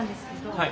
はい。